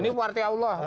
ini wartai allah